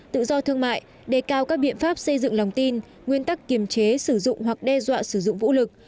tự do thương mại đề cao các biện pháp xây dựng lòng tin nguyên tắc kiềm chế sử dụng hoặc đe dọa sử dụng vũ lực